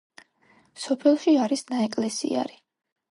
სოფელში არის ნაეკლესიარი.